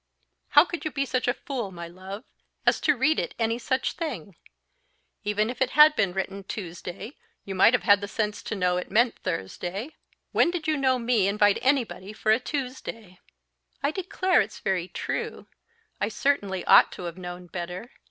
"How could you be such a fool, my love, as to read it any such thing? Even if it had been written Tuesday, you might have had the sense to know it meant Thursday. When did you know me invite anybody for a Tuesday?" "I declare it's very true; I certainly ought to have known better.